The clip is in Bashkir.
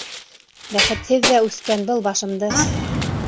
Бәхетһеҙ ҙә үҫкән был башымды